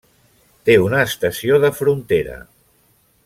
Té una estació de frontera.